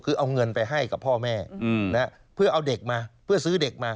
คือเอาเงินไปให้กับพ่อแม่เพื่อเอาเด็กมาเพื่อซื้อเด็กมา